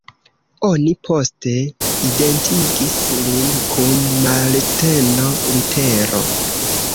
Oni poste identigis lin kun Marteno Lutero.